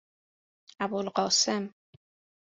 ابوالقاسم